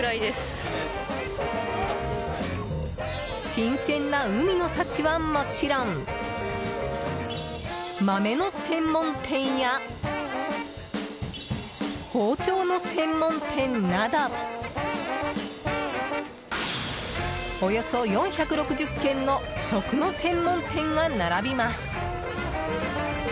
新鮮な海の幸はもちろん豆の専門店や包丁の専門店などおよそ４６０軒の食の専門店が並びます。